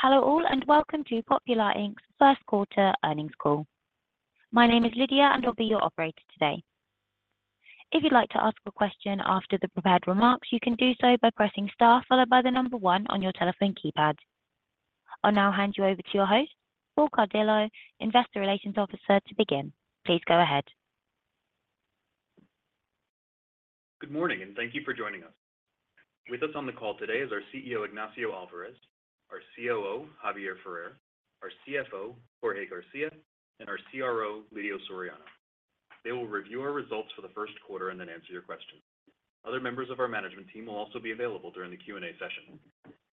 Hello all, and welcome to Popular, Inc.'s first quarter earnings call. My name is Lydia, and I'll be your operator today. If you'd like to ask a question after the prepared remarks, you can do so by pressing star followed by the number one on your telephone keypad. I'll now hand you over to your host, Paul Cardillo, Investor Relations Officer to begin. Please go ahead. Good morning, and thank you for joining us. With us on the call today is our CEO, Ignacio Alvarez, our COO, Javier Ferrer, our CFO, Jorge García, and our CRO, Lidio Soriano. They will review our results for the first quarter and then answer your questions. Other members of our management team will also be available during the Q&A session.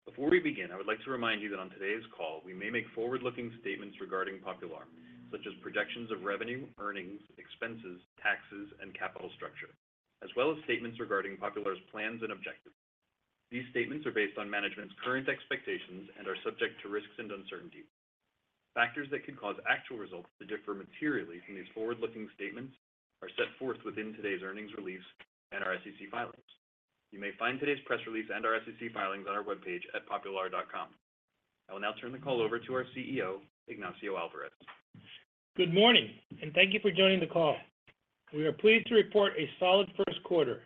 Before we begin, I would like to remind you that on today's call, we may make forward-looking statements regarding Popular, such as projections of revenue, earnings, expenses, taxes, and capital structure, as well as statements regarding Popular's plans and objectives. These statements are based on management's current expectations and are subject to risks and uncertainties. Factors that could cause actual results to differ materially from these forward-looking statements are set forth within today's earnings release and our SEC filings. You may find today's press release and our SEC filings on our webpage at popular.com. I will now turn the call over to our CEO, Ignacio Alvarez. Good morning, and thank you for joining the call. We are pleased to report a solid first quarter.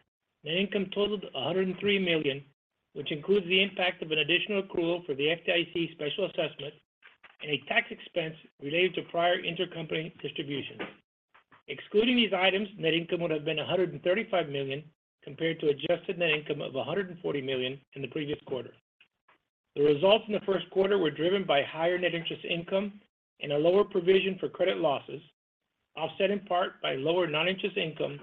Net income totaled $103 million, which includes the impact of an additional accrual for the FDIC special assessment and a tax expense related to prior intercompany distributions. Excluding these items, net income would have been $135 million, compared to adjusted net income of $140 million in the previous quarter. The results in the first quarter were driven by higher net interest income and a lower provision for credit losses, offset in part by lower non-interest income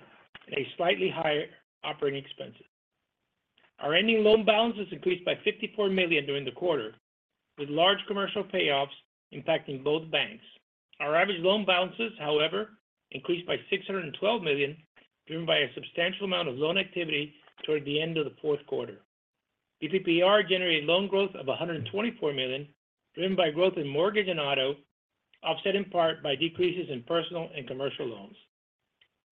and a slightly higher operating expenses. Our ending loan balances increased by $54 million during the quarter, with large commercial payoffs impacting both banks. Our average loan balances, however, increased by $612 million, driven by a substantial amount of loan activity toward the end of the fourth quarter. BPPR generated loan growth of $124 million, driven by growth in mortgage and auto, offset in part by decreases in personal and commercial loans.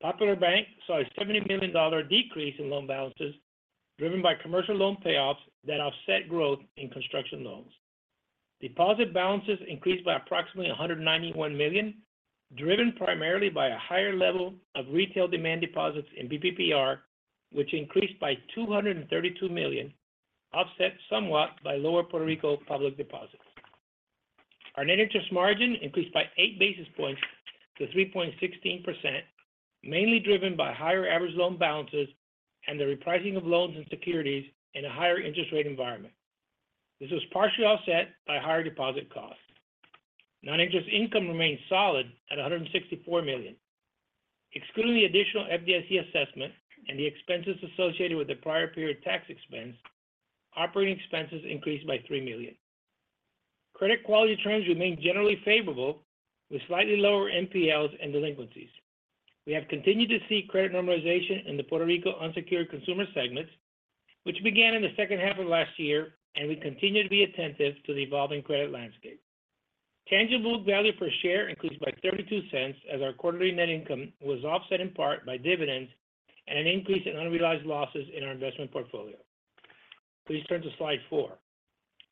Popular Bank saw a $70 million decrease in loan balances, driven by commercial loan payoffs that offset growth in construction loans. Deposit balances increased by approximately $191 million, driven primarily by a higher level of retail demand deposits in BPPR, which increased by $232 million, offset somewhat by lower Puerto Rico public deposits. Our net interest margin increased by 8 basis points to 3.16%, mainly driven by higher average loan balances and the repricing of loans and securities in a higher interest rate environment. This was partially offset by higher deposit costs. Non-interest income remained solid at $164 million. Excluding the additional FDIC assessment and the expenses associated with the prior period tax expense, operating expenses increased by $3 million. Credit quality trends remained generally favorable, with slightly lower NPLs and delinquencies. We have continued to see credit normalization in the Puerto Rico unsecured consumer segments, which began in the second half of last year, and we continue to be attentive to the evolving credit landscape. Tangible value per share increased by $0.32 as our quarterly net income was offset in part by dividends and an increase in unrealized losses in our investment portfolio. Please turn to slide 4.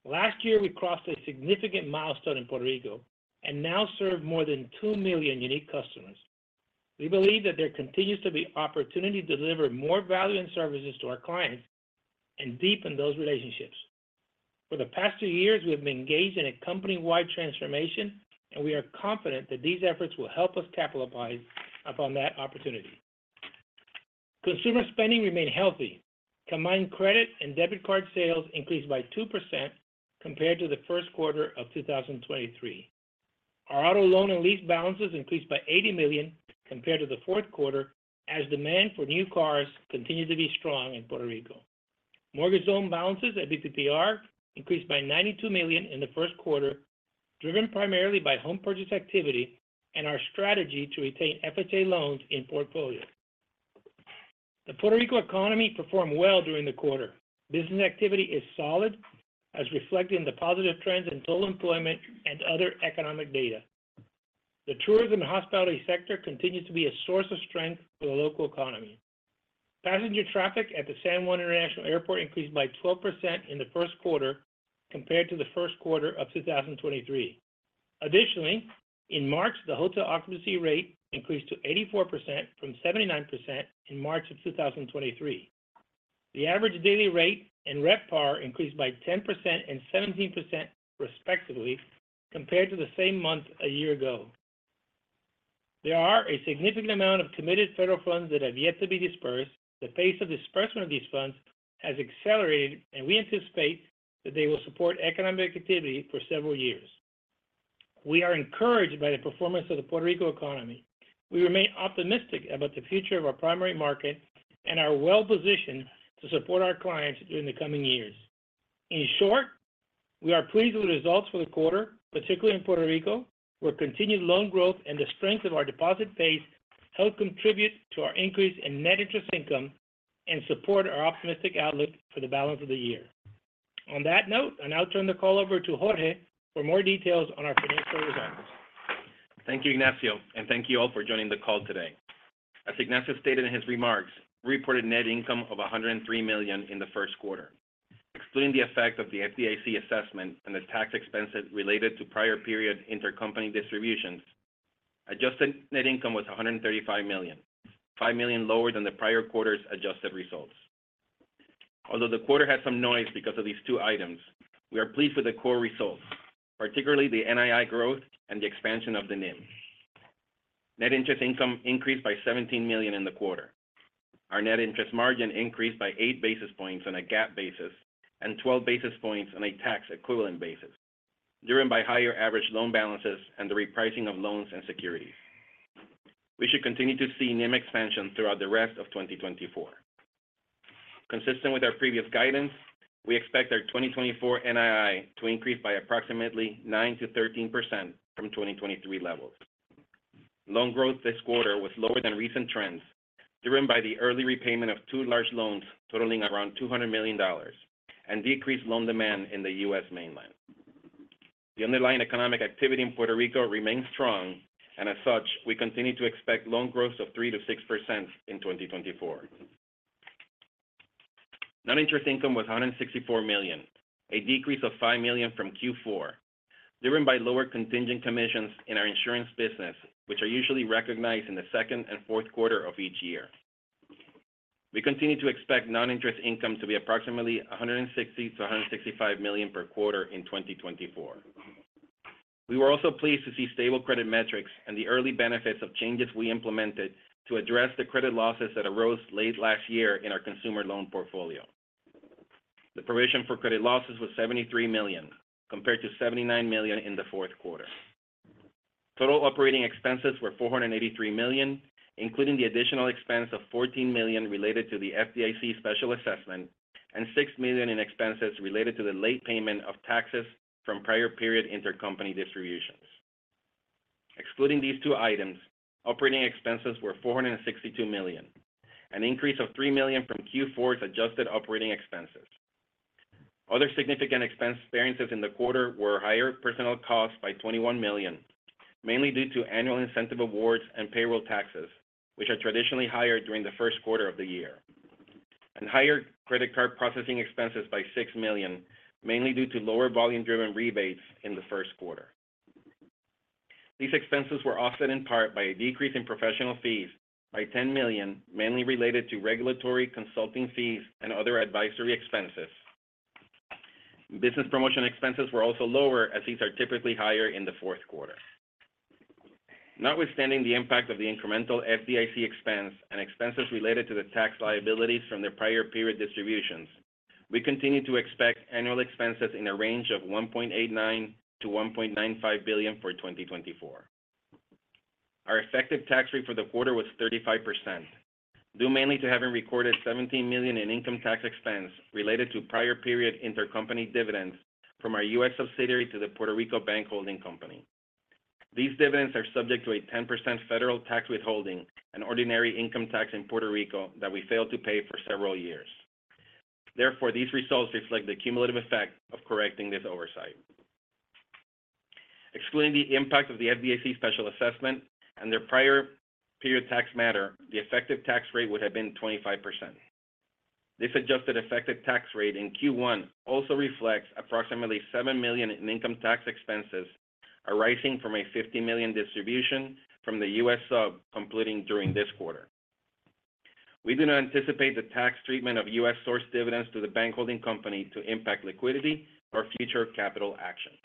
Last year, we crossed a significant milestone in Puerto Rico and now serve more than 2 million unique customers. We believe that there continues to be opportunity to deliver more value and services to our clients and deepen those relationships. For the past 2 years, we have been engaged in a company-wide transformation, and we are confident that these efforts will help us capitalize upon that opportunity. Consumer spending remained healthy. Combined credit and debit card sales increased by 2% compared to the first quarter of 2023. Our auto loan and lease balances increased by $80 million compared to the fourth quarter, as demand for new cars continued to be strong in Puerto Rico. Mortgage loan balances at BPPR increased by $92 million in the first quarter, driven primarily by home purchase activity and our strategy to retain FHA loans in portfolio. The Puerto Rico economy performed well during the quarter. Business activity is solid, as reflected in the positive trends in total employment and other economic data. The tourism and hospitality sector continues to be a source of strength for the local economy. Passenger traffic at the San Juan International Airport increased by 12% in the first quarter compared to the first quarter of 2023. Additionally, in March, the hotel occupancy rate increased to 84% from 79% in March of 2023. The average daily rate and RevPAR increased by 10% and 17%, respectively, compared to the same month a year ago. There are a significant amount of committed federal funds that have yet to be disbursed. The pace of disbursement of these funds has accelerated, and we anticipate that they will support economic activity for several years. We are encouraged by the performance of the Puerto Rico economy. We remain optimistic about the future of our primary market and are well-positioned to support our clients during the coming years. In short, we are pleased with the results for the quarter, particularly in Puerto Rico, where continued loan growth and the strength of our deposit base helped contribute to our increase in net interest income and support our optimistic outlook for the balance of the year. On that note, I now turn the call over to Jorge for more details on our financial results.... Thank you, Ignacio, and thank you all for joining the call today. As Ignacio stated in his remarks, we reported net income of $103 million in the first quarter. Excluding the effect of the FDIC assessment and the tax expenses related to prior period intercompany distributions, adjusted net income was $135 million, $5 million lower than the prior quarter's adjusted results. Although the quarter had some noise because of these two items, we are pleased with the core results, particularly the NII growth and the expansion of the NIM. Net interest income increased by $17 million in the quarter. Our net interest margin increased by 8 basis points on a GAAP basis and 12 basis points on a tax equivalent basis, driven by higher average loan balances and the repricing of loans and securities. We should continue to see NIM expansion throughout the rest of 2024. Consistent with our previous guidance, we expect our 2024 NII to increase by approximately 9%-13% from 2023 levels. Loan growth this quarter was lower than recent trends, driven by the early repayment of two large loans totaling around $200 million and decreased loan demand in the US mainland. The underlying economic activity in Puerto Rico remains strong, and as such, we continue to expect loan growth of 3%-6% in 2024. Non-interest income was $164 million, a decrease of $5 million from Q4, driven by lower contingent commissions in our insurance business, which are usually recognized in the second and fourth quarter of each year. We continue to expect non-interest income to be approximately $160 million-$165 million per quarter in 2024. We were also pleased to see stable credit metrics and the early benefits of changes we implemented to address the credit losses that arose late last year in our consumer loan portfolio. The provision for credit losses was $73 million, compared to $79 million in the fourth quarter. Total operating expenses were $483 million, including the additional expense of $14 million related to the FDIC special assessment and $6 million in expenses related to the late payment of taxes from prior period intercompany distributions. Excluding these two items, operating expenses were $462 million, an increase of $3 million from Q4's adjusted operating expenses. Other significant expense variances in the quarter were higher personnel costs by $21 million, mainly due to annual incentive awards and payroll taxes, which are traditionally higher during the first quarter of the year, and higher credit card processing expenses by $6 million, mainly due to lower volume-driven rebates in the first quarter. These expenses were offset in part by a decrease in professional fees by $10 million, mainly related to regulatory consulting fees and other advisory expenses. Business promotion expenses were also lower, as these are typically higher in the fourth quarter. Notwithstanding the impact of the incremental FDIC expense and expenses related to the tax liabilities from their prior period distributions, we continue to expect annual expenses in a range of $1.89 billion-$1.95 billion for 2024. Our effective tax rate for the quarter was 35%, due mainly to having recorded $17 million in income tax expense related to prior period intercompany dividends from our US subsidiary to the Puerto Rico bank holding company. These dividends are subject to a 10% federal tax withholding and ordinary income tax in Puerto Rico that we failed to pay for several years. Therefore, these results reflect the cumulative effect of correcting this oversight. Excluding the impact of the FDIC special assessment and their prior period tax matter, the effective tax rate would have been 25%. This adjusted effective tax rate in Q1 also reflects approximately $7 million in income tax expenses arising from a $50 million distribution from the US sub completing during this quarter. We do not anticipate the tax treatment of US source dividends to the bank holding company to impact liquidity or future capital actions.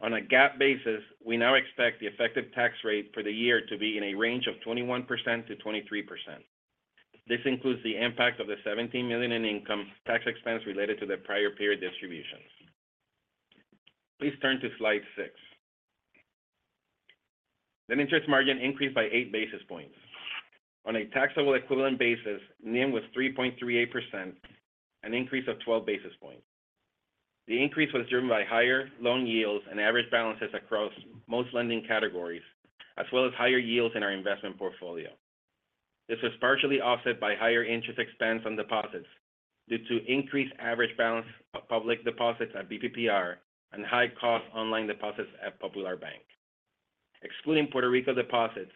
On a GAAP basis, we now expect the effective tax rate for the year to be in a range of 21%-23%. This includes the impact of the $17 million in income tax expense related to the prior period distributions. Please turn to slide 6. The interest margin increased by 8 basis points. On a taxable equivalent basis, NIM was 3.38%, an increase of 12 basis points. The increase was driven by higher loan yields and average balances across most lending categories, as well as higher yields in our investment portfolio. This was partially offset by higher interest expense on deposits due to increased average balance of public deposits at BPPR and high cost online deposits at Popular Bank. Excluding Puerto Rico deposits,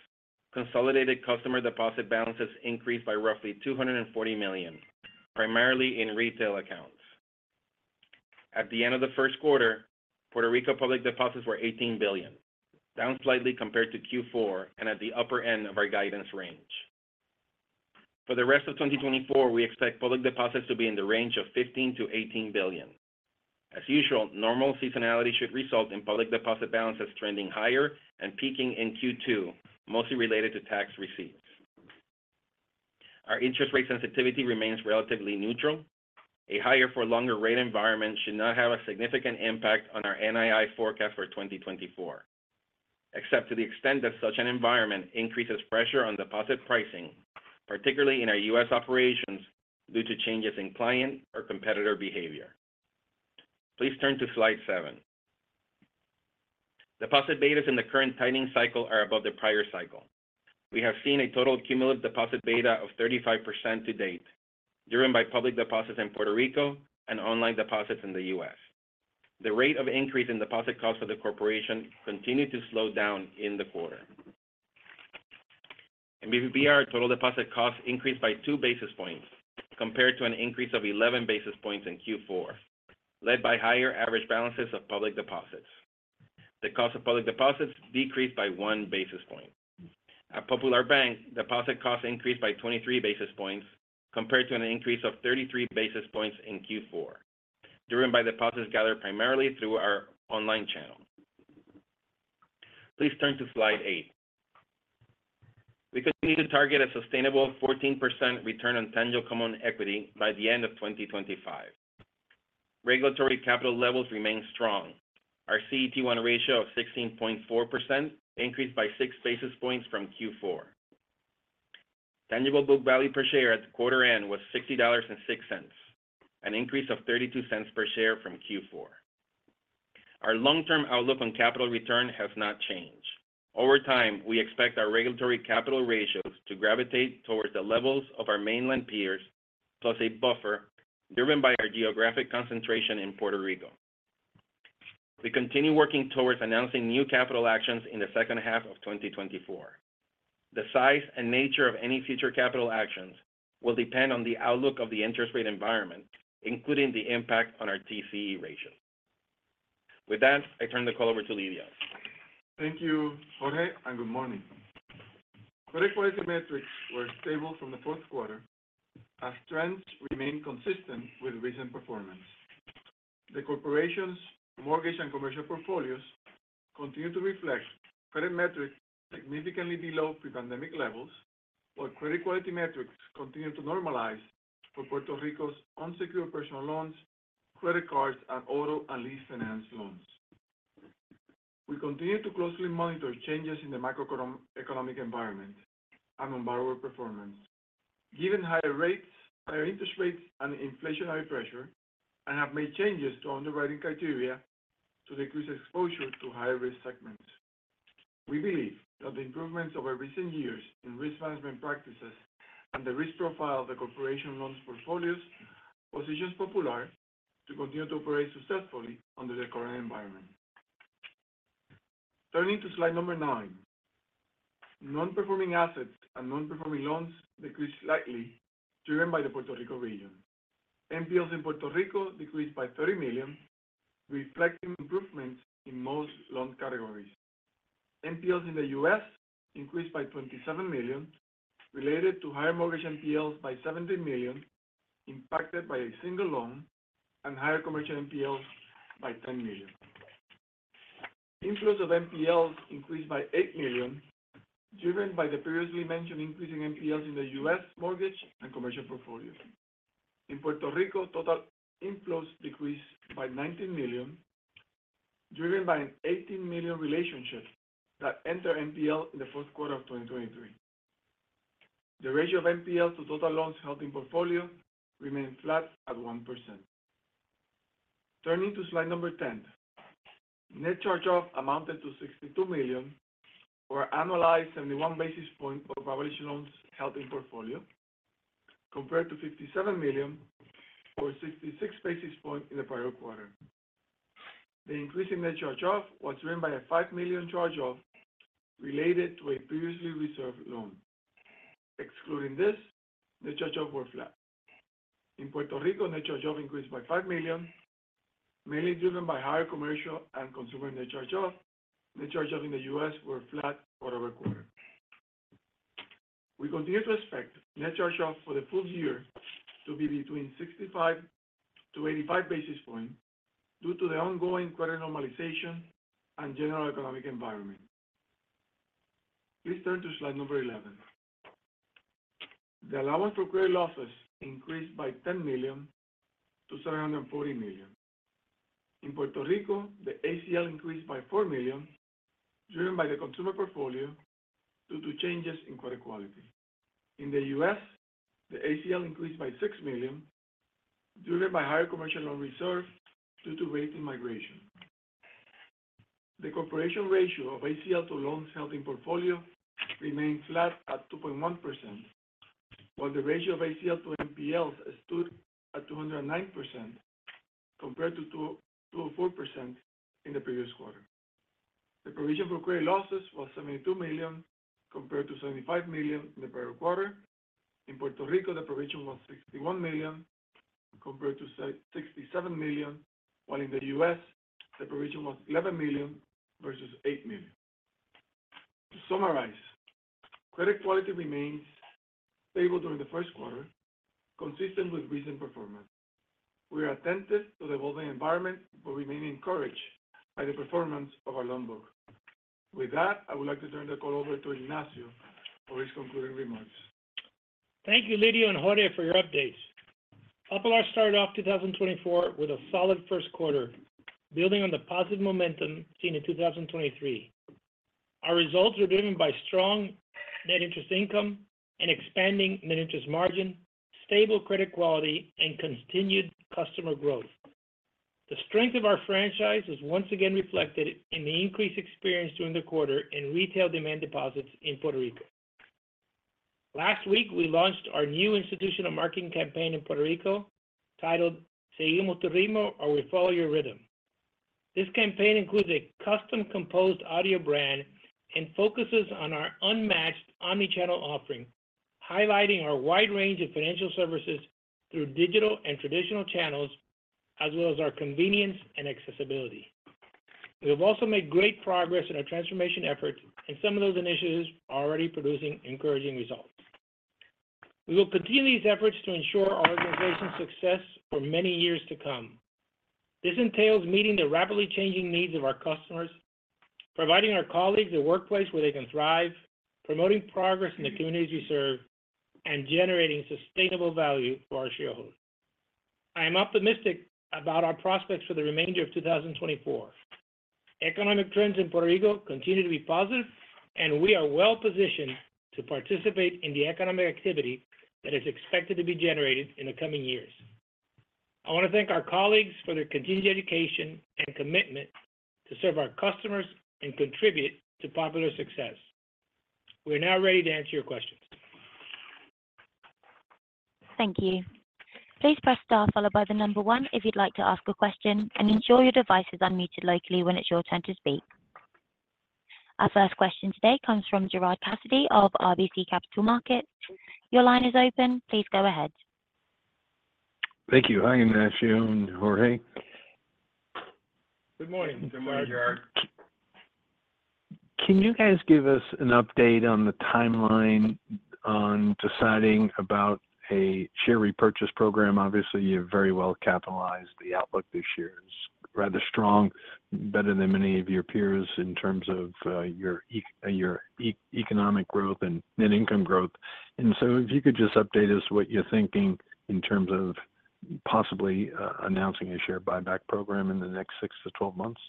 consolidated customer deposit balances increased by roughly $240 million, primarily in retail accounts. At the end of the first quarter, Puerto Rico public deposits were $18 billion, down slightly compared to Q4 and at the upper end of our guidance range. For the rest of 2024, we expect public deposits to be in the range of $15 billion-$18 billion. As usual, normal seasonality should result in public deposit balances trending higher and peaking in Q2, mostly related to tax receipts. Our interest rate sensitivity remains relatively neutral. A higher for longer rate environment should not have a significant impact on our NII forecast for 2024, except to the extent that such an environment increases pressure on deposit pricing, particularly in our U.S. operations, due to changes in client or competitor behavior. Please turn to slide 7. Deposit betas in the current tightening cycle are above the prior cycle. We have seen a total cumulative deposit beta of 35% to date, driven by public deposits in Puerto Rico and online deposits in the U.S. The rate of increase in deposit costs for the corporation continued to slow down in the quarter. BPPR total deposit costs increased by 2 basis points, compared to an increase of 11 basis points in Q4, led by higher average balances of public deposits. The cost of public deposits decreased by 1 basis point. At Popular Bank, deposit costs increased by 23 basis points, compared to an increase of 33 basis points in Q4, driven by deposits gathered primarily through our online channel. Please turn to slide 8. We continue to target a sustainable 14% return on tangible common equity by the end of 2025. Regulatory capital levels remain strong. Our CET1 ratio of 16.4% increased by 6 basis points from Q4. Tangible book value per share at the quarter end was $60.06, an increase of $0.32 per share from Q4. Our long-term outlook on capital return has not changed. Over time, we expect our regulatory capital ratios to gravitate towards the levels of our mainland peers, plus a buffer driven by our geographic concentration in Puerto Rico. We continue working towards announcing new capital actions in the second half of 2024. The size and nature of any future capital actions will depend on the outlook of the interest rate environment, including the impact on our TCE ratio. With that, I turn the call over to Lidio. Thank you, Jorge, and good morning. Credit quality metrics were stable from the fourth quarter as trends remain consistent with recent performance. The corporation's mortgage and commercial portfolios continue to reflect credit metrics significantly below pre-pandemic levels, while credit quality metrics continue to normalize for Puerto Rico's unsecured personal loans, credit cards, and auto and lease finance loans. We continue to closely monitor changes in the macroeconomic environment and on borrower performance. Given higher rates, higher interest rates, and inflationary pressure, and have made changes to underwriting criteria to decrease exposure to higher-risk segments. We believe that the improvements over recent years in risk management practices and the risk profile of the corporation loans portfolios, positions Popular to continue to operate successfully under the current environment. Turning to slide number 9. Non-performing assets and non-performing loans decreased slightly, driven by the Puerto Rico region. NPLs in Puerto Rico decreased by $30 million, reflecting improvements in most loan categories. NPLs in the US increased by $27 million, related to higher mortgage NPLs by $17 million, impacted by a single loan, and higher commercial NPLs by $10 million. Inflow of NPLs increased by $8 million, driven by the previously mentioned increase in NPLs in the US mortgage and commercial portfolio. In Puerto Rico, total inflows decreased by $19 million, driven by an $18 million relationship that entered NPL in the fourth quarter of 2023. The ratio of NPL to total loans held in portfolio remained flat at 1%. Turning to slide 10. Net charge-off amounted to $62 million, or annualized 71 basis point of average loans held in portfolio, compared to $57 million or 66 basis points in the prior quarter. The increase in net charge-offs was driven by a $5 million charge-off related to a previously reserved loan. Excluding this, net charge-offs were flat. In Puerto Rico, net charge-off increased by $5 million, mainly driven by higher commercial and consumer net charge-offs. Net charge-off in the U.S. were flat quarter-over-quarter. We continue to expect net charge-offs for the full year to be between 65-85 basis points due to the ongoing credit normalization and general economic environment. Please turn to slide 11. The allowance for credit losses increased by $10 million to $740 million. In Puerto Rico, the ACL increased by $4 million, driven by the consumer portfolio due to changes in credit quality. In the U.S., the ACL increased by $6 million, driven by higher commercial loan reserves due to rating migration. The corporation ratio of ACL to loans held in portfolio remained flat at 2.1%, while the ratio of ACL to NPLs stood at 209%, compared to 224% in the previous quarter. The provision for credit losses was $72 million, compared to $75 million in the prior quarter. In Puerto Rico, the provision was $61 million, compared to $67 million, while in the US, the provision was $11 million versus $8 million. To summarize, credit quality remains stable during the first quarter, consistent with recent performance. We are attentive to the evolving environment, but remain encouraged by the performance of our loan book. With that, I would like to turn the call over to Ignacio for his concluding remarks. Thank you, Lidio and Jorge, for your updates. Popular started off 2024 with a solid first quarter, building on the positive momentum seen in 2023. Our results were driven by strong net interest income and expanding net interest margin, stable credit quality, and continued customer growth. The strength of our franchise is once again reflected in the increase experienced during the quarter in retail demand deposits in Puerto Rico. Last week, we launched our new institutional marketing campaign in Puerto Rico, titled Seguimos a Tu Ritmo, or We Follow Your Rhythm. This campaign includes a custom-composed audio brand and focuses on our unmatched omni-channel offering, highlighting our wide range of financial services through digital and traditional channels, as well as our convenience and accessibility. We have also made great progress in our transformation efforts, and some of those initiatives are already producing encouraging results. We will continue these efforts to ensure our organization's success for many years to come. This entails meeting the rapidly changing needs of our customers, providing our colleagues a workplace where they can thrive, promoting progress in the communities we serve, and generating sustainable value for our shareholders. I am optimistic about our prospects for the remainder of 2024. Economic trends in Puerto Rico continue to be positive, and we are well-positioned to participate in the economic activity that is expected to be generated in the coming years. I want to thank our colleagues for their continued dedication and commitment to serve our customers and contribute to Popular's success. We are now ready to answer your questions. Thank you. Please press Star followed by the number one if you'd like to ask a question, and ensure your device is unmuted locally when it's your turn to speak. Our first question today comes from Gerard Cassidy of RBC Capital Markets. Your line is open. Please go ahead. Thank you. Hi, Ignacio and Jorge. Good morning. Good morning, Gerard. Can you guys give us an update on the timeline on deciding about a share repurchase program? Obviously, you're very well capitalized. The outlook this year is rather strong, better than many of your peers in terms of your economic growth and net income growth. And so if you could just update us what you're thinking in terms of possibly announcing a share buyback program in the next 6-12 months.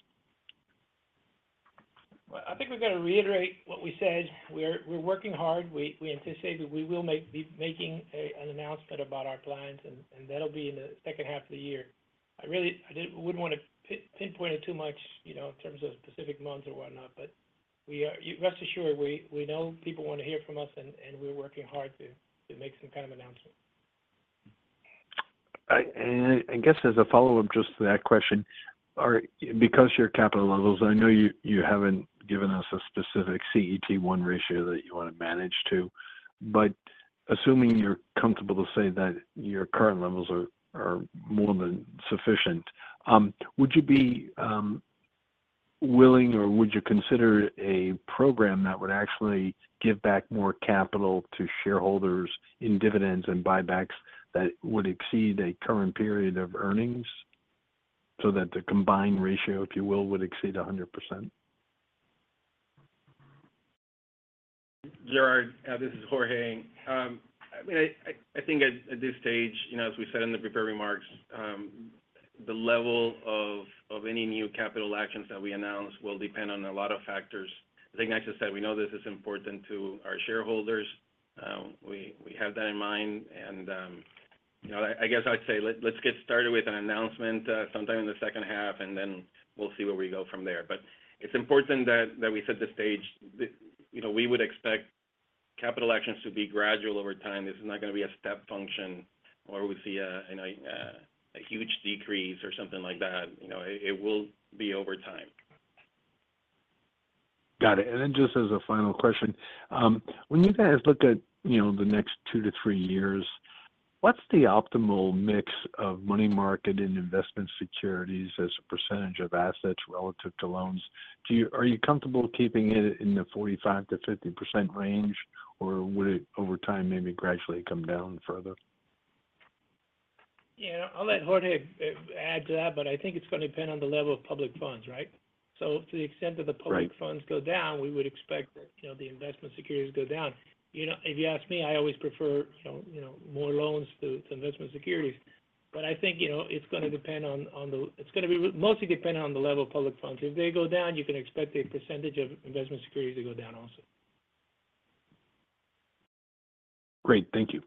Well, I think we've got to reiterate what we said. We're working hard. We anticipate that we will be making an announcement about our plans, and that'll be in the second half of the year. I really wouldn't want to pinpoint it too much, you know, in terms of specific months or whatnot, but we are. Rest assured, we know people want to hear from us, and we're working hard to make some kind of announcement. I guess as a follow-up just to that question, are you, because your capital levels, I know you haven't given us a specific CET1 ratio that you want to manage to, but assuming you're comfortable to say that your current levels are more than sufficient, would you be willing or would you consider a program that would actually give back more capital to shareholders in dividends and buybacks that would exceed a current period of earnings so that the combined ratio, if you will, would exceed 100%? Gerard, this is Jorge. I mean, I think at this stage, you know, as we said in the prepared remarks, the level of any new capital actions that we announce will depend on a lot of factors. I think Ignacio said, we know this is important to our shareholders. We have that in mind, and, you know, I guess I'd say, let's get started with an announcement, sometime in the second half, and then we'll see where we go from there. But it's important that we set the stage. You know, we would expect capital actions to be gradual over time. This is not going to be a step function where we see, you know, a huge decrease or something like that. You know, it will be over time. Got it. Then just as a final question, when you guys look at, you know, the next two to three years, what's the optimal mix of money market and investment securities as a percentage of assets relative to loans? Are you comfortable keeping it in the 45%-50% range, or would it, over time, maybe gradually come down further? Yeah, I'll let Jorge add to that, but I think it's going to depend on the level of public funds, right? So to the extent that the- Right... public funds go down, we would expect that, you know, the investment securities go down. You know, if you ask me, I always prefer, you know, more loans to investment securities. But I think, you know, it's going to depend on the—it's going to be mostly dependent on the level of public funds. If they go down, you can expect a percentage of investment securities to go down also. Great. Thank you.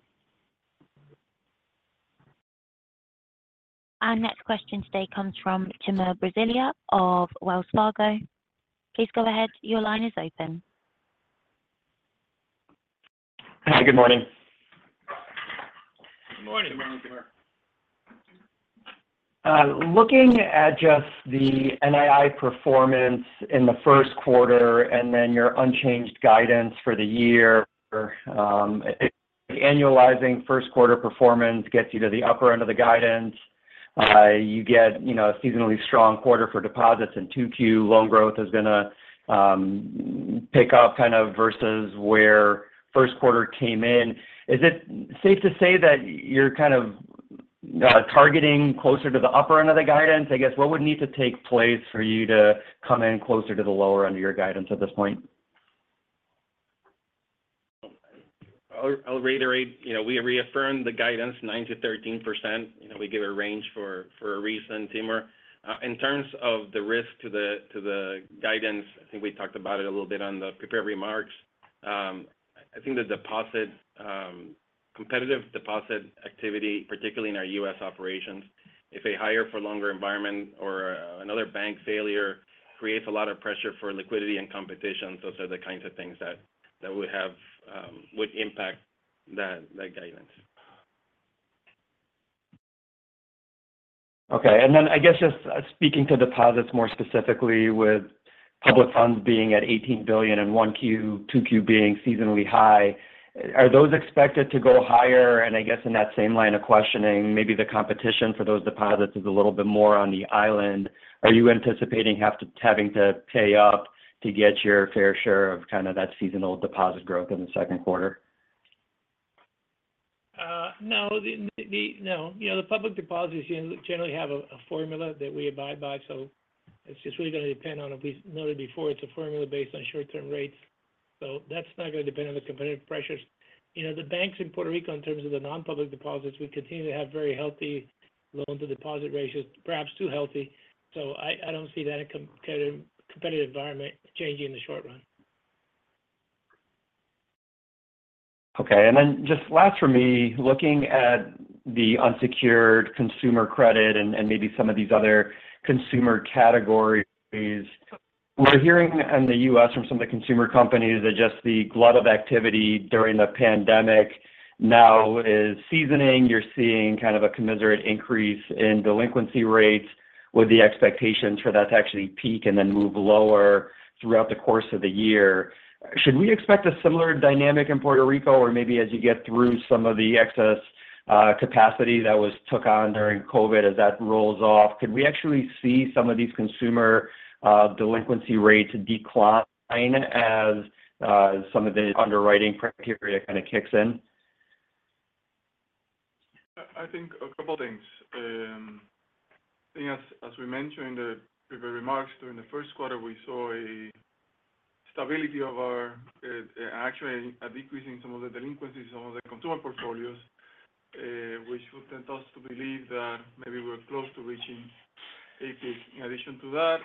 Our next question today comes from Timur Braziler of Wells Fargo. Please go ahead. Your line is open. Hi, good morning. Good morning. Good morning, Timur. Looking at just the NII performance in the first quarter and then your unchanged guidance for the year, annualizing first quarter performance gets you to the upper end of the guidance. You get, you know, a seasonally strong quarter for deposits in 2Q. Loan growth is going to pick up kind of versus where first quarter came in. Is it safe to say that you're kind of targeting closer to the upper end of the guidance? I guess, what would need to take place for you to come in closer to the lower end of your guidance at this point? I'll reiterate, you know, we reaffirmed the guidance, 9%-13%. You know, we give a range for a reason, Timur. In terms of the risk to the guidance, I think we talked about it a little bit on the prepared remarks.... I think the competitive deposit activity, particularly in our U.S. operations, if a higher-for-longer environment or another bank failure creates a lot of pressure for liquidity and competition, those are the kinds of things that would impact that guidance. Okay. And then I guess just speaking to deposits more specifically with public funds being at $18 billion in 1Q, 2Q being seasonally high, are those expected to go higher? And I guess in that same line of questioning, maybe the competition for those deposits is a little bit more on the island. Are you anticipating having to pay up to get your fair share of kinda that seasonal deposit growth in the second quarter? No. You know, the public deposits generally have a formula that we abide by, so it's just really going to depend on, as we noted before, it's a formula based on short-term rates. So that's not going to depend on the competitive pressures. You know, the banks in Puerto Rico, in terms of the non-public deposits, we continue to have very healthy loan-to-deposit ratios, perhaps too healthy. So I don't see that competitive environment changing in the short run. Okay. And then just last for me, looking at the unsecured consumer credit and maybe some of these other consumer categories, we're hearing in the U.S. from some of the consumer companies that just the glut of activity during the pandemic now is seasoning. You're seeing kind of a commensurate increase in delinquency rates with the expectations for that to actually peak and then move lower throughout the course of the year. Should we expect a similar dynamic in Puerto Rico, or maybe as you get through some of the excess capacity that was took on during COVID, as that rolls off, could we actually see some of these consumer delinquency rates decline as some of the underwriting criteria kind of kicks in? I think a couple of things. I think as we mentioned in the previous remarks, during the first quarter, we saw a stability of our, actually a decrease in some of the delinquencies on the consumer portfolios, which would tempt us to believe that maybe we're close to reaching a peak. In addition to that,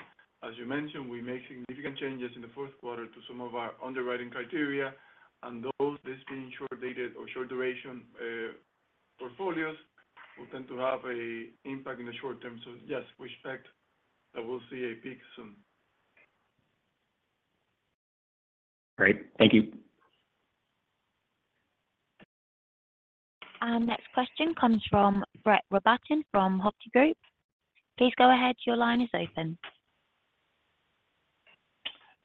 as you mentioned, we made significant changes in the fourth quarter to some of our underwriting criteria, and those, this being short-dated or short-duration, portfolios, we tend to have an impact in the short term. So yes, we expect that we'll see a peak soon. Great. Thank you. Our next question comes from Brett Rabatin from Hovde Group. Please go ahead. Your line is open.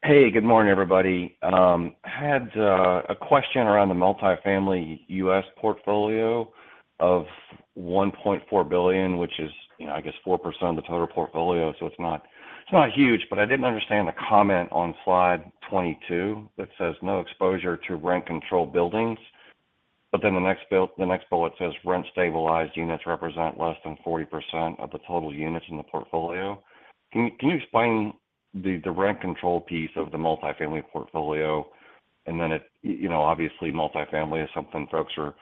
Hey, good morning, everybody. I had a question around the multifamily US portfolio of $1.4 billion, which is, you know, I guess, 4% of the total portfolio. So it's not, it's not huge, but I didn't understand the comment on slide 22 that says, "No exposure to rent-controlled buildings," but then the next bullet says, "Rent-stabilized units represent less than 40% of the total units in the portfolio." Can you explain the rent control piece of the multifamily portfolio? And then it, you know, obviously, multifamily is something folks are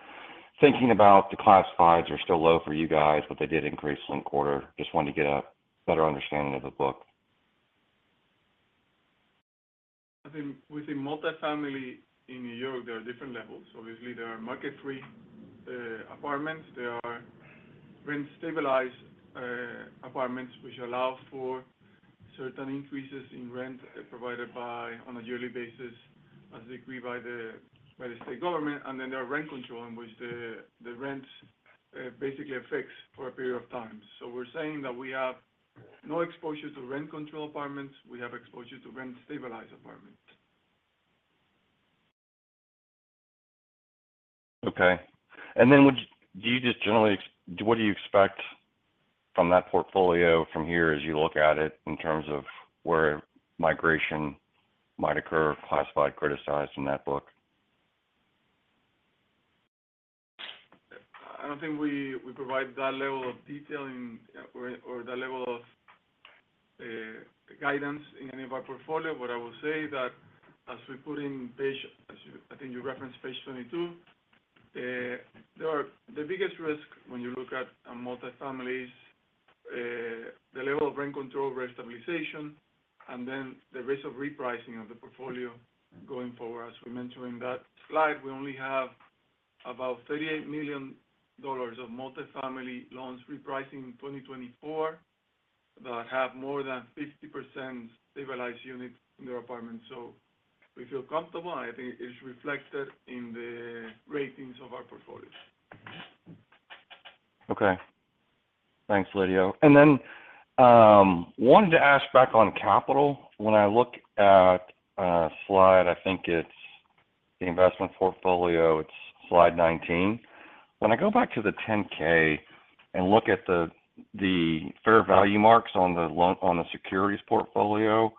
thinking about. The classifieds are still low for you guys, but they did increase one quarter. Just wanted to get a better understanding of the book. I think within multifamily in New York, there are different levels. Obviously, there are market-rate apartments. There are rent-stabilized apartments, which allow for certain increases in rent provided on a yearly basis, as agreed by the state government. Then there are rent-controlled, in which the rents are basically fixed for a period of time. So we're saying that we have no exposure to rent-controlled apartments; we have exposure to rent-stabilized apartments. Okay. And then what do you expect from that portfolio from here as you look at it in terms of where migration might occur, classified, criticized in that book? I don't think we provide that level of detail in or that level of guidance in any of our portfolio. What I will say that as we put in page, as you I think you referenced page 22. There are the biggest risk when you look at multifamily, the level of rent control, rent stabilization, and then the risk of repricing of the portfolio going forward. As we mentioned in that slide, we only have about $38 million of multifamily loans repricing in 2024, that have more than 50% stabilized units in their apartments. So we feel comfortable, and I think it's reflected in the ratings of our portfolios. Okay. Thanks, Lidio. Then wanted to ask back on capital. When I look at slide, I think it's the investment portfolio, it's slide 19. When I go back to the 10-K and look at the fair value marks on the securities portfolio,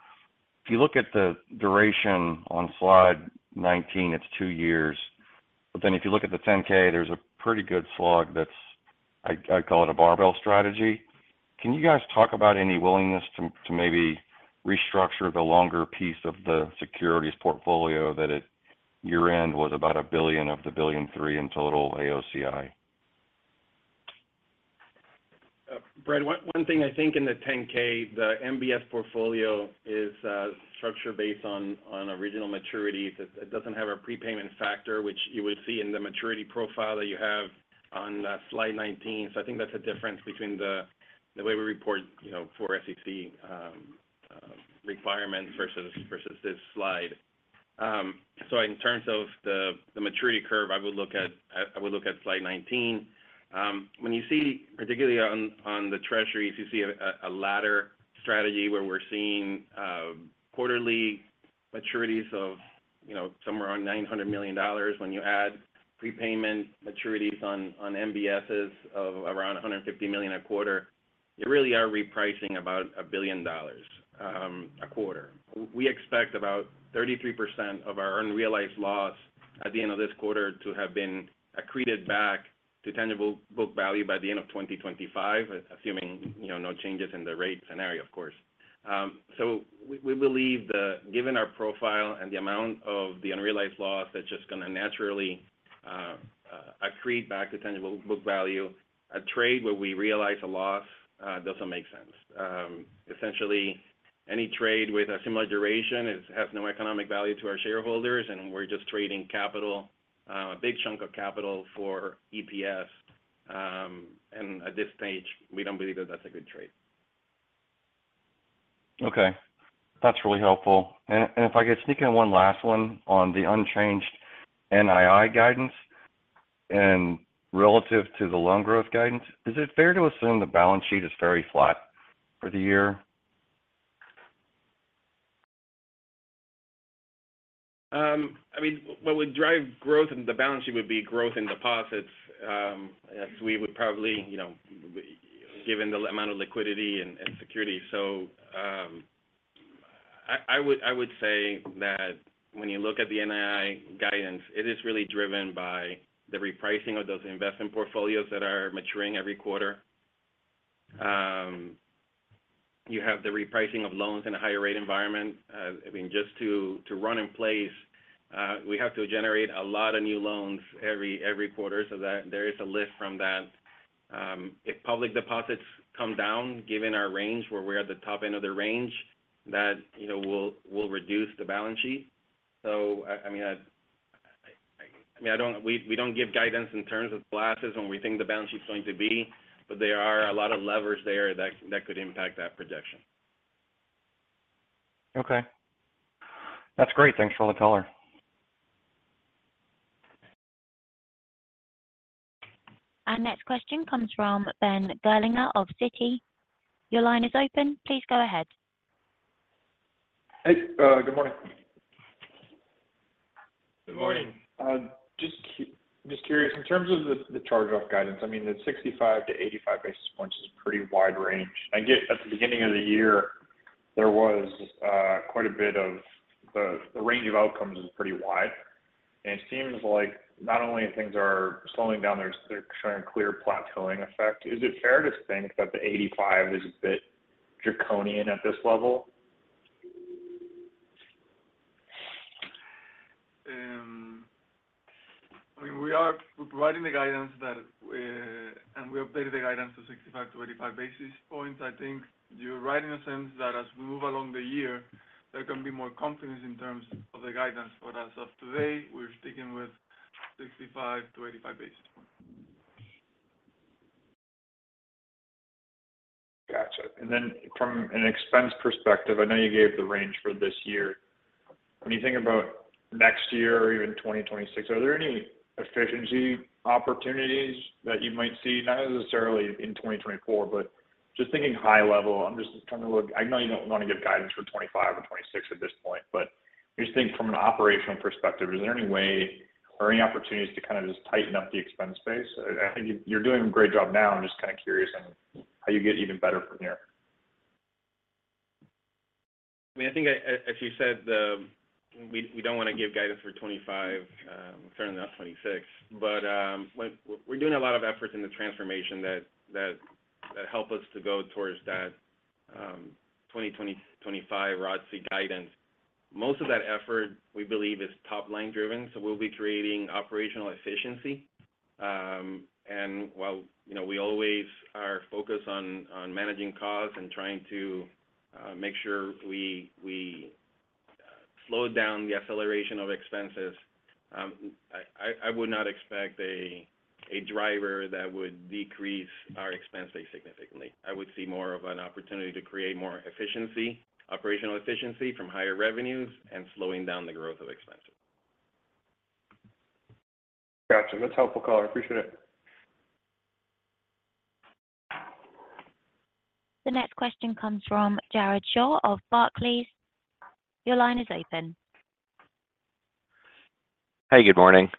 if you look at the duration on slide 19, it's 2 years. But then if you look at the 10-K, there's a pretty good slot that's, I call it a barbell strategy. Can you guys talk about any willingness to maybe restructure the longer piece of the securities portfolio that at year-end was about $1 billion of the $1.3 billion in total AOCI?... Brett, one thing I think in the 10-K, the MBS portfolio is structured based on original maturities. It doesn't have a prepayment factor, which you would see in the maturity profile that you have on slide 19. So I think that's a difference between the way we report, you know, for SEC requirements versus this slide. So in terms of the maturity curve, I would look at—I would look at slide 19. When you see, particularly on the treasuries, you see a ladder strategy where we're seeing quarterly maturities of, you know, somewhere around $900 million. When you add prepayment maturities on MBSs of around $150 million a quarter, you really are repricing about $1 billion a quarter. We expect about 33% of our unrealized loss at the end of this quarter to have been accreted back to tangible book value by the end of 2025, assuming, you know, no changes in the rate scenario, of course. So we believe that given our profile and the amount of the unrealized loss, that's just going to naturally accrete back to tangible book value. A trade where we realize a loss doesn't make sense. Essentially, any trade with a similar duration has no economic value to our shareholders, and we're just trading capital, a big chunk of capital for EPS. And at this stage, we don't believe that that's a good trade. Okay. That's really helpful. And, and if I could sneak in one last one on the unchanged NII guidance and relative to the loan growth guidance, is it fair to assume the balance sheet is very flat for the year? I mean, what would drive growth in the balance sheet would be growth in deposits, as we would probably, you know, given the amount of liquidity and security. So, I would say that when you look at the NII guidance, it is really driven by the repricing of those investment portfolios that are maturing every quarter. You have the repricing of loans in a higher rate environment. I mean, just to run in place, we have to generate a lot of new loans every quarter, so that there is a lift from that. If public deposits come down, given our range, where we're at the top end of the range, that, you know, will reduce the balance sheet. So, I mean, we don't give guidance in terms of classes and we think the balance sheet is going to be, but there are a lot of levers there that could impact that projection. Okay. That's great. Thanks for all the color. Our next question comes from Ben Gerlinger of Citi. Your line is open. Please go ahead. Hey, good morning. Good morning. Just curious, in terms of the charge-off guidance, I mean, the 65-85 basis points is a pretty wide range. I get at the beginning of the year, there was quite a bit of the range of outcomes was pretty wide, and it seems like not only are things slowing down, there's a clear plateauing effect. Is it fair to think that the 85 is a bit draconian at this level? I mean, we are providing the guidance that and we updated the guidance to 65-85 basis points. I think you're right in a sense that as we move along the year, there can be more confidence in terms of the guidance. But as of today, we're sticking with 65-85 basis points. Got you. And then from an expense perspective, I know you gave the range for this year. When you think about next year or even 2026, are there any efficiency opportunities that you might see? Not necessarily in 2024, but just thinking high level, I'm just trying to look, I know you don't want to give guidance for 2025 or 2026 at this point, but just think from an operational perspective, is there any way or any opportunities to kind of just tighten up the expense base? I think you, you're doing a great job now. I'm just kind of curious on how you get even better from here. I mean, I think as you said, we don't want to give guidance for 25, certainly not 26. But we're doing a lot of efforts in the transformation that help us to go towards that 2025 ROC guidance. Most of that effort, we believe, is top-line driven, so we'll be creating operational efficiency. And while, you know, we always are focused on managing costs and trying to make sure we slow down the acceleration of expenses, I would not expect a driver that would decrease our expense base significantly. I would see more of an opportunity to create more efficiency, operational efficiency from higher revenues and slowing down the growth of expenses. Got you. That's helpful, color. I appreciate it. The next question comes from Jared Shaw of Barclays. Your line is open. Hey, good morning.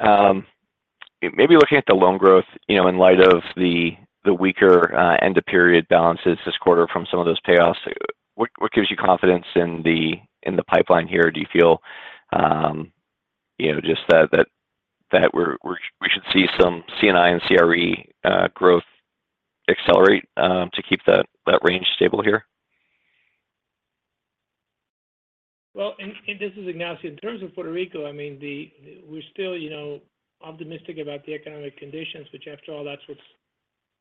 Maybe looking at the loan growth, you know, in light of the weaker end-of-period balances this quarter from some of those payoffs, what gives you confidence in the pipeline here? Do you feel, you know, just that we should see some C&I and CRE growth accelerate to keep that range stable here?... Well, this is Ignacio. In terms of Puerto Rico, I mean, we're still, you know, optimistic about the economic conditions, which after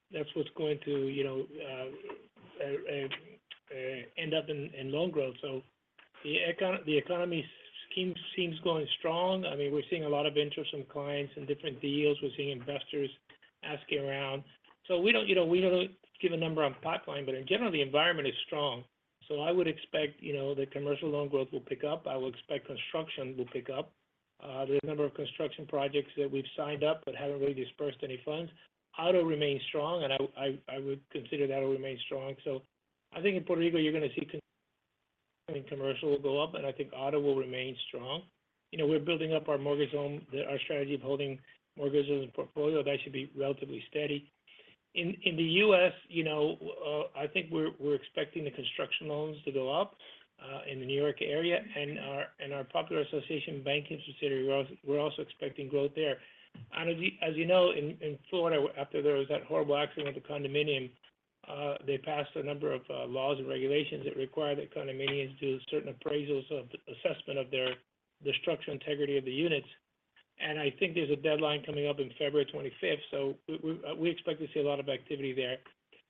all, that's what's going to, you know, end up in loan growth. So the economy seems going strong. I mean, we're seeing a lot of interest from clients in different deals. We're seeing investors asking around. So we don't, you know, we don't give a number on pipeline, but in general, the environment is strong. So I would expect, you know, the commercial loan growth will pick up. I would expect construction will pick up. There's a number of construction projects that we've signed up, but haven't really disbursed any funds. Auto remains strong, and I would consider that will remain strong. So I think in Puerto Rico, you're going to see commercial go up, and I think auto will remain strong. You know, we're building up our mortgage home, our strategy of holding mortgages and portfolio. That should be relatively steady. In the US, you know, I think we're expecting the construction loans to go up in the New York area and our Popular Association Banking facility, we're also expecting growth there. And as you know, in Florida, after there was that horrible accident at the condominium, they passed a number of laws and regulations that require that condominiums do certain appraisals of assessment of their the structural integrity of the units. And I think there's a deadline coming up in February 25th, so we expect to see a lot of activity there.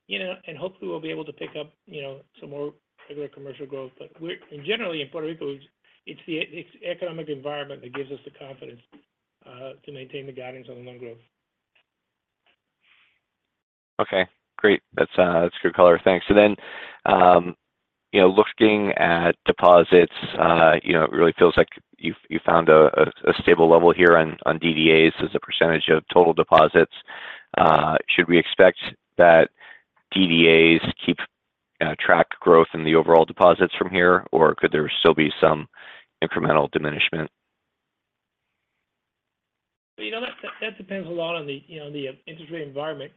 You know, and hopefully we'll be able to pick up, you know, some more regular commercial growth. But we're and generally, in Puerto Rico, it's the economic environment that gives us the confidence to maintain the guidance on the loan growth. Okay, great. That's a good color. Thanks. So then, you know, looking at deposits, you know, it really feels like you've found a stable level here on DDAs as a percentage of total deposits. Should we expect that DDAs keep track growth in the overall deposits from here? Or could there still be some incremental diminishment? You know, that depends a lot on the, you know, the interest rate environment.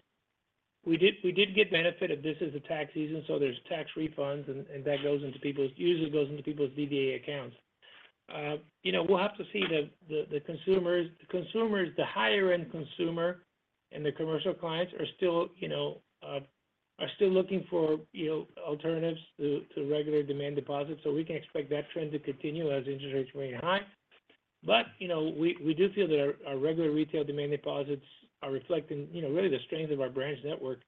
We did get benefit of this as a tax season, so there's tax refunds, and that goes into people's, usually goes into people's DDA accounts. You know, we'll have to see the consumers. Consumers, the higher end consumer and the commercial clients are still, you know, are still looking for, you know, alternatives to regular demand deposits. So we can expect that trend to continue as interest rates remain high. But, you know, we do feel that our regular retail demand deposits are reflecting, you know, really the strength of our branch network.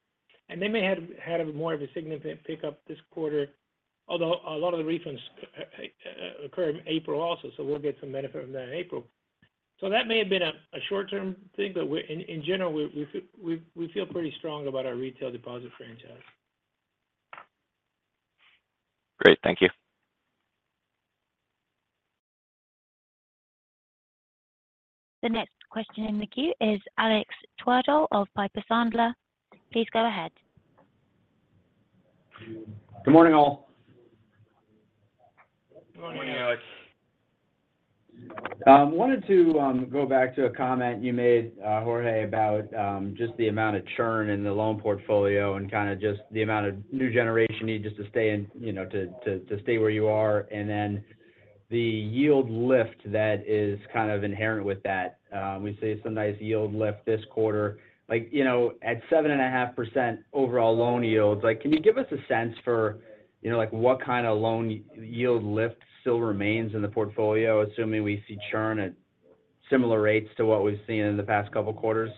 They may have had more of a significant pickup this quarter, although a lot of the refunds occur in April also, so we'll get some benefit from that in April. So that may have been a short-term thing, but we're in general we feel pretty strong about our retail deposit franchise. Great. Thank you. The next question in the queue is Alex Twerdahl of Piper Sandler. Please go ahead. Good morning, all. Good morning, Alex. Wanted to go back to a comment you made, Jorge, about just the amount of churn in the loan portfolio and kind of just the amount of new generation need just to stay in, you know, to stay where you are, and then the yield lift that is kind of inherent with that. We see some nice yield lift this quarter. Like, you know, at 7.5% overall loan yields, like, can you give us a sense for, you know, like what kind of loan yield lift still remains in the portfolio, assuming we see churn at similar rates to what we've seen in the past couple of quarters?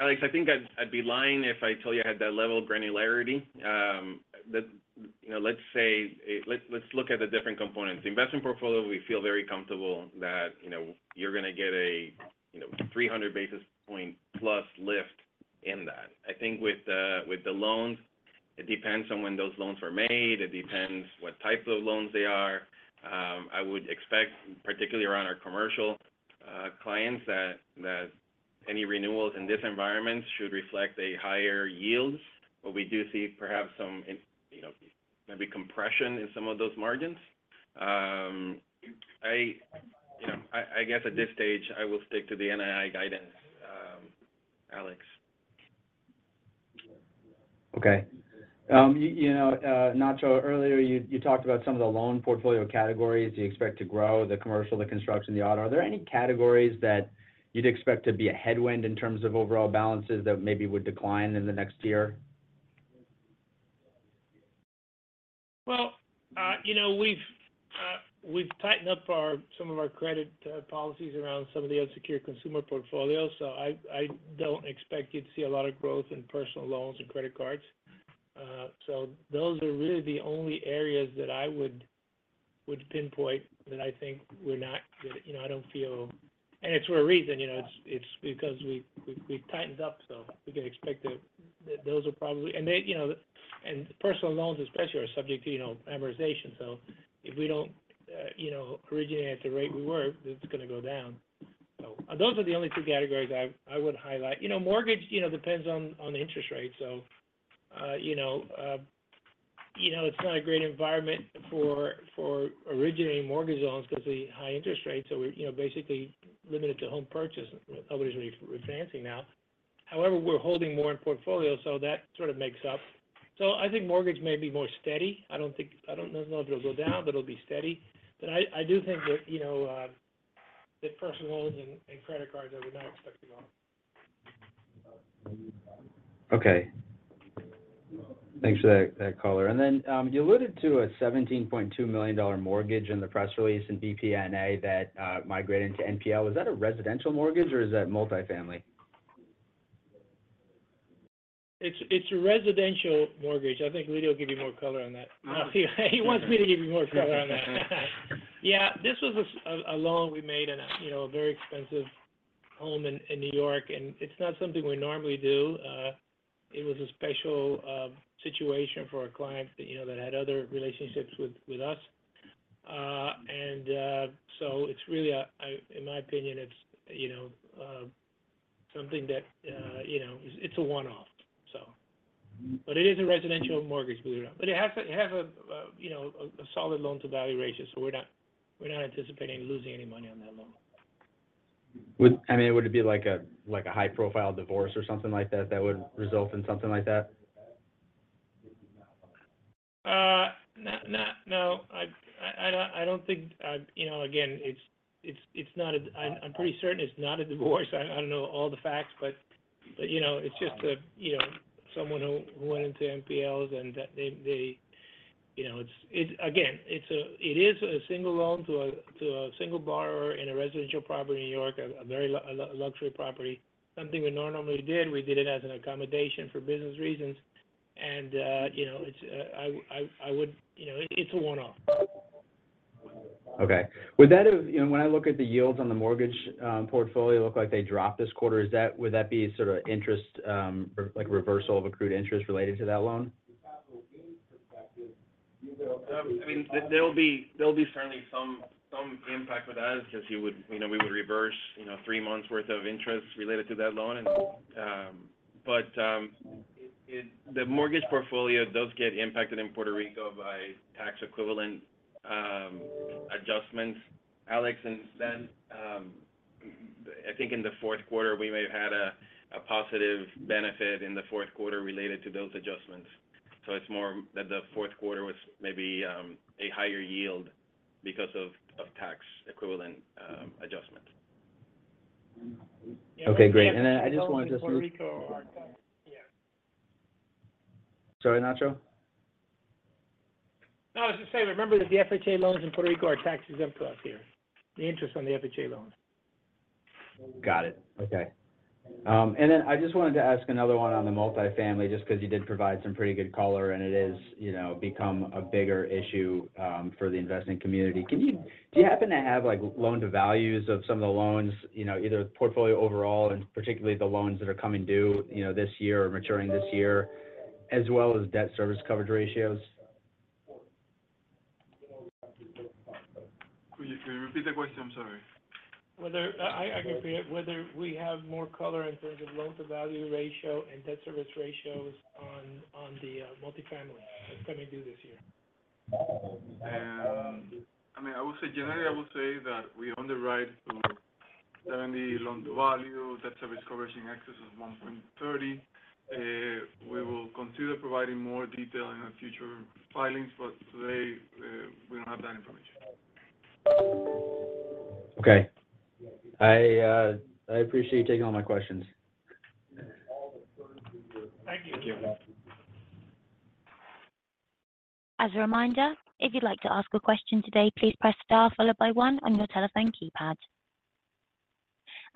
Alex, I think I'd be lying if I told you I had that level of granularity. You know, let's look at the different components. The investment portfolio, we feel very comfortable that, you know, you're going to get a, you know, 300 basis points plus lift in that. I think with the loans, it depends on when those loans were made. It depends what type of loans they are. I would expect, particularly around our commercial clients, that any renewals in this environment should reflect higher yields. But we do see perhaps some, you know, maybe compression in some of those margins. I guess at this stage, I will stick to the NII guidance, Alex. Okay. You know, Nacho, earlier you talked about some of the loan portfolio categories you expect to grow, the commercial, the construction, the auto. Are there any categories that you'd expect to be a headwind in terms of overall balances that maybe would decline in the next year? Well, you know, we've tightened up on some of our credit policies around some of the unsecured consumer portfolios, so I don't expect you to see a lot of growth in personal loans and credit cards. So those are really the only areas that I would pinpoint that I think we're not, you know, I don't feel. And it's for a reason, you know? It's because we, we've tightened up, so we can expect that those are probably. And they, you know, and personal loans especially, are subject to, you know, amortization. So if we don't, you know, originate at the rate we were, it's going to go down. So those are the only two categories I would highlight. You know, mortgage, you know, depends on the interest rate. So, you know, you know, it's not a great environment for originating mortgage loans because of the high interest rates. So we're, you know, basically limited to home purchase, obviously, we're financing now. However, we're holding more in portfolio, so that sort of makes up. So I think mortgage may be more steady. I don't think. I don't know if it'll go down, but it'll be steady. But I do think that, you know, the personal loans and credit cards that we're not expecting on. Okay. Thanks for that, that color. Then, you alluded to a $17.2 million mortgage in the press release in BPNA that migrated to NPL. Was that a residential mortgage, or is that multifamily? It's a residential mortgage. I think Lidio will give you more color on that. He wants me to give you more color on that. Yeah, this was a loan we made in, you know, a very expensive home in New York, and it's not something we normally do. It was a special situation for a client that, you know, that had other relationships with us. And so it's really. I, in my opinion, it's, you know, something that, you know, it's a one-off, so. okay. It is a residential mortgage, but it has a, you know, a solid loan-to-value ratio, so we're not anticipating losing any money on that loan. I mean, would it be like a, like a high-profile divorce or something like that, that would result in something like that? No. I don't think... You know, again, it's not a—I'm pretty certain it's not a divorce. I don't know all the facts, but, you know, it's just a, you know, someone who went into NPLs and that they—you know, it's—again, it's a—it is a single loan to a single borrower in a residential property in New York, a very luxury property. Something we normally did. We did it as an accommodation for business reasons, and, you know, it's, I would... You know, it's a one-off. Okay. Would that have—you know, when I look at the yields on the mortgage portfolio look like they dropped this quarter, is that—would that be sort of interest or like reversal of accrued interest related to that loan? I mean, there'll be certainly some impact with us because you would, you know, we would reverse, you know, three months' worth of interest related to that loan. But the mortgage portfolio does get impacted in Puerto Rico by tax-equivalent adjustments, Alex. And then, I think in the fourth quarter, we may have had a positive benefit in the fourth quarter related to those adjustments. So it's more that the fourth quarter was maybe a higher yield because of tax-equivalent adjustments. Okay, great. And then I just want to— Puerto Rico are done. Yeah. Sorry, Nacho? No, I was just saying, remember that the FHA loans in Puerto Rico are tax-exempt up here, the interest on the FHA loans. Got it. Okay. And then I just wanted to ask another one on the multifamily, just because you did provide some pretty good color, and it is, you know, become a bigger issue, for the investing community. Can you do you happen to have, like, loan-to-values of some of the loans, you know, either the portfolio overall and particularly the loans that are coming due, you know, this year or maturing this year, as well as debt service coverage ratios? Could you repeat the question? I'm sorry. Whether I can repeat it. Whether we have more color in terms of loan-to-value ratio and debt service ratios on the multifamily that's coming due this year. I mean, I would say, generally, I would say that we underwrite to 70 loan-to-value. Debt service coverage in excess of 1.30. We will consider providing more detail in our future filings, but today, we don't have that information. Okay. I, I appreciate you taking all my questions. Thank you. Thank you. As a reminder, if you'd like to ask a question today, please press star followed by one on your telephone keypad.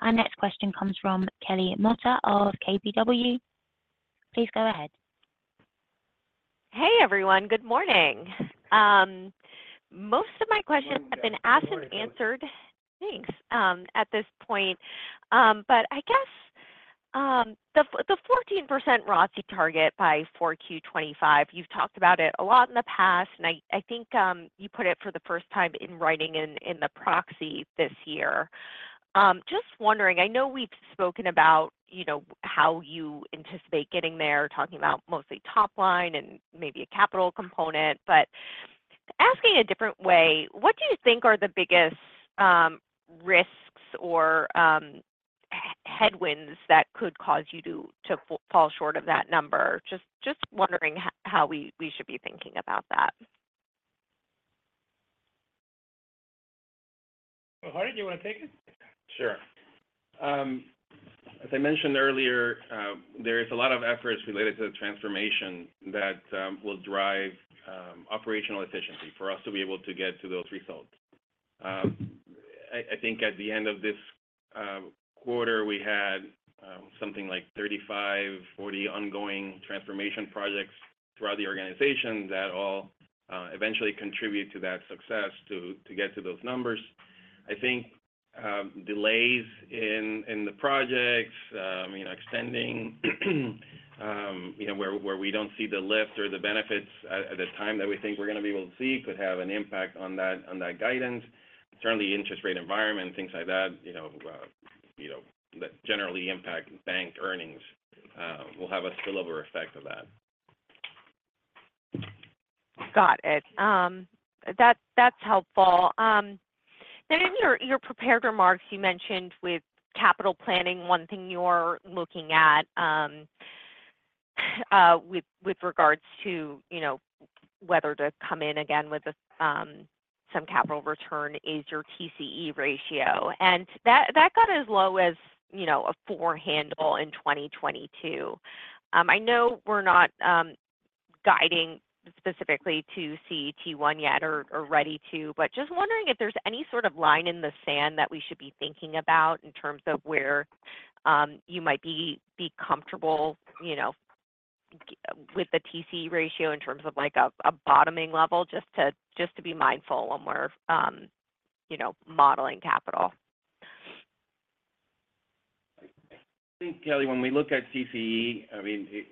Our next question comes from Kelly Motta of KBW. Please go ahead. Hey, everyone. Good morning. Most of my questions have been asked and answered—thanks at this point. But I guess the 14% ROIC target by 4Q 2025, you've talked about it a lot in the past, and I think you put it for the first time in writing in the proxy this year. Just wondering, I know we've spoken about, you know, how you anticipate getting there, talking about mostly top line and maybe a capital component, but asking a different way, what do you think are the biggest risks or headwinds that could cause you to fall short of that number? Just wondering how we should be thinking about that. Well, Jorge, you want to take it? Sure. As I mentioned earlier, there is a lot of efforts related to the transformation that will drive operational efficiency for us to be able to get to those results. I think at the end of this quarter, we had something like 35-40 ongoing transformation projects throughout the organization that all eventually contribute to that success to get to those numbers. I think delays in the projects you know extending you know where we don't see the lift or the benefits at the time that we think we're going to be able to see could have an impact on that on that guidance. Certainly, interest rate environment, things like that, you know that generally impact bank earnings will have a spillover effect of that. Got it. That's helpful. Then in your prepared remarks, you mentioned with capital planning, one thing you're looking at, with regards to, you know, whether to come in again with some capital return is your TCE ratio. And that got as low as, you know, a four handle in 2022. I know we're not guiding specifically to CET1 yet or ready to, but just wondering if there's any sort of line in the sand that we should be thinking about in terms of where you might be comfortable, you know, with the TCE ratio in terms of like a bottoming level, just to be mindful when we're, you know, modeling capital. I think, Kelly, when we look at TCE, I mean, it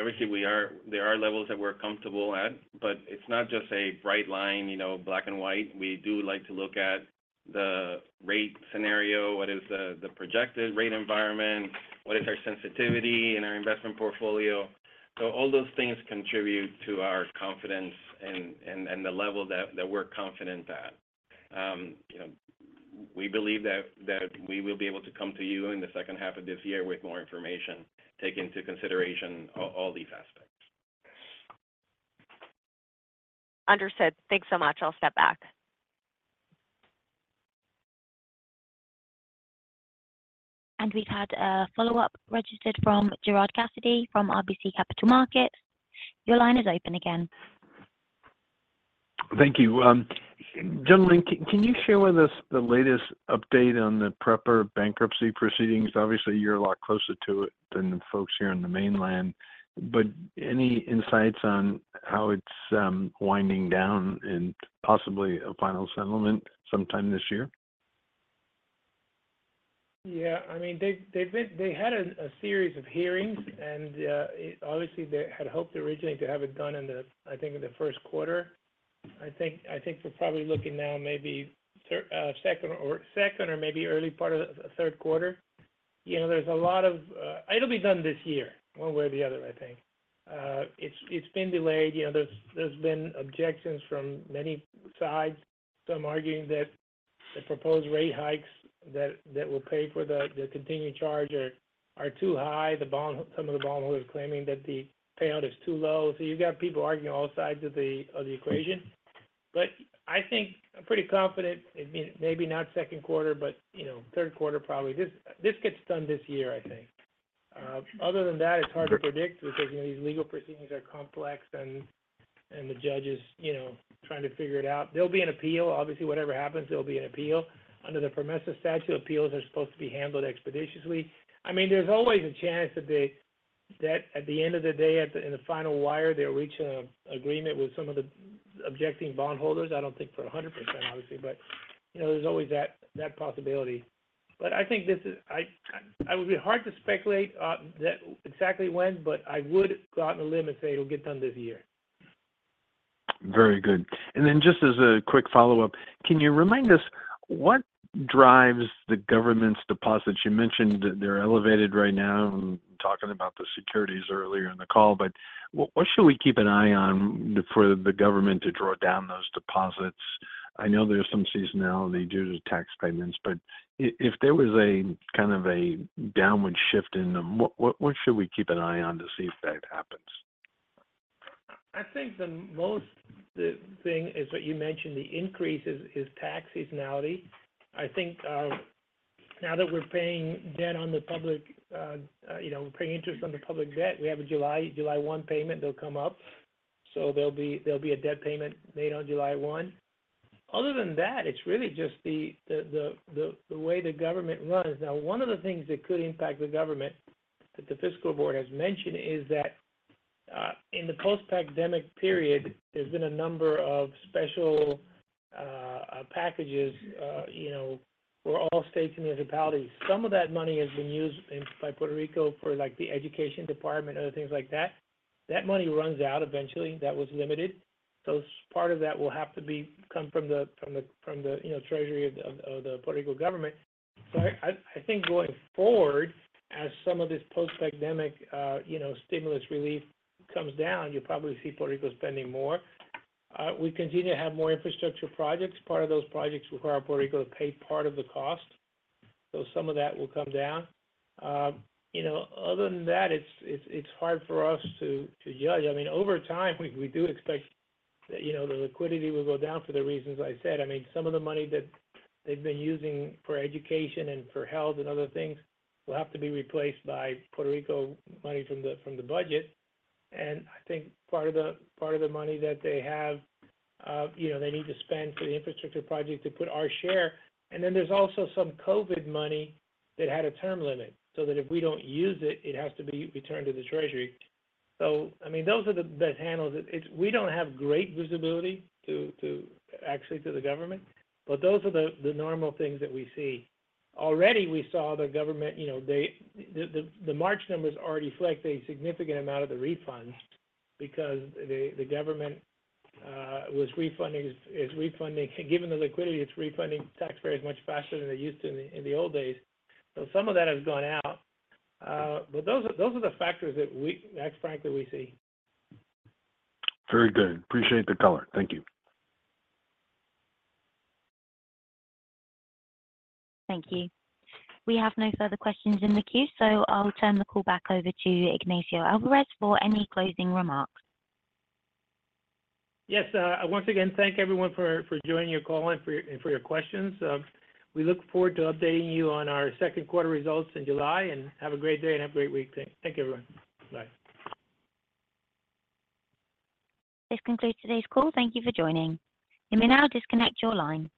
obviously, there are levels that we're comfortable at, but it's not just a bright line, you know, black and white. We do like to look at the rate scenario. What is the projected rate environment? What is our sensitivity in our investment portfolio? So all those things contribute to our confidence and the level that we're confident at. You know, we believe that we will be able to come to you in the second half of this year with more information, take into consideration all these aspects. Understood. Thanks so much. I'll step back. We've had a follow-up registered from Gerard Cassidy from RBC Capital Markets. Your line is open again. Thank you. Gentlemen, can you share with us the latest update on the PREPA bankruptcy proceedings? Obviously, you're a lot closer to it than the folks here in the mainland, but any insights on how it's winding down and possibly a final settlement sometime this year? Yeah, I mean, they've been-- they had a series of hearings, and obviously, they had hoped originally to have it done in the, I think, in the first quarter. I think we're probably looking now maybe second or second or maybe early part of the third quarter. You know, there's a lot of... It'll be done this year, one way or the other, I think. It's been delayed. You know, there's been objections from many sides. Some arguing that the proposed rate hikes that will pay for the continued charge are too high. Some of the bondholders claiming that the payout is too low. So you've got people arguing all sides of the equation. But I think I'm pretty confident, I mean, maybe not second quarter, but, you know, third quarter, probably. This, this gets done this year, I think. Other than that, it's hard to predict because, you know, these legal proceedings are complex and the judge is, you know, trying to figure it out. There'll be an appeal. Obviously, whatever happens, there'll be an appeal. Under the PROMESA statute, appeals are supposed to be handled expeditiously. I mean, there's always a chance that at the end of the day, in the final wire, they'll reach an agreement with some of the objecting bondholders. I don't think for 100%, obviously, but, you know, there's always that possibility. But I think this is. It would be hard to speculate on that exactly when, but I would go out on a limb and say it'll get done this year. Very good. And then just as a quick follow-up, can you remind us what drives the government's deposits? You mentioned they're elevated right now and talking about the securities earlier in the call, but what should we keep an eye on for the government to draw down those deposits? I know there's some seasonality due to tax payments, but if there was a kind of a downward shift in them, what should we keep an eye on to see if that happens? I think the most, the thing is what you mentioned, the increase is, is tax seasonality. I think, now that we're paying debt on the public, you know, paying interest on the public debt, we have a July 1 payment that'll come up. So there'll be, there'll be a debt payment made on July 1. Other than that, it's really just the way the government runs. Now, one of the things that could impact the government, that the Fiscal Board has mentioned, is that, in the post-pandemic period, there's been a number of special packages, you know, for all states and municipalities. Some of that money has been used by Puerto Rico for, like, the Education Department and other things like that. That money runs out eventually. That was limited. So part of that will have to come from the Treasury of the Puerto Rico government, you know. So I think going forward, as some of this post-pandemic stimulus relief comes down, you'll probably see Puerto Rico spending more, you know. We continue to have more infrastructure projects. Part of those projects require Puerto Rico to pay part of the cost, so some of that will come down. You know, other than that, it's hard for us to judge. I mean, over time, we do expect that the liquidity will go down for the reasons I said, you know. I mean, some of the money that they've been using for education and for health and other things will have to be replaced by Puerto Rico money from the budget. I think part of the money that they have, you know, they need to spend for the infrastructure project to put our share. And then there's also some COVID money that had a term limit, so that if we don't use it, it has to be returned to the Treasury. So I mean, those are the handles. It's We don't have great visibility to actually to the government, but those are the normal things that we see. Already, we saw the government, you know, they. The March numbers already reflect a significant amount of the refunds because the government was refunding, is refunding. Given the liquidity, it's refunding taxpayers much faster than they used to in the old days. So some of that has gone out, but those are, those are the factors that we that frankly, we see. Very good. Appreciate the color. Thank you. Thank you. We have no further questions in the queue, so I'll turn the call back over to Ignacio Alvarez for any closing remarks. Yes. Once again, thank everyone for joining your call and for your questions. We look forward to updating you on our second quarter results in July, and have a great day and have a great week. Thank you, everyone. Bye. This concludes today's call. Thank you for joining. You may now disconnect your line.